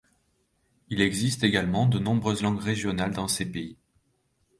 Il existe également de nombreuses langues régionales dans ces pays.